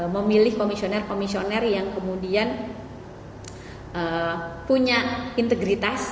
memilih komisioner komisioner yang kemudian punya integritas